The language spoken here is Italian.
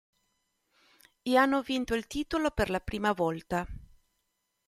I hanno vinto il titolo per la prima volta.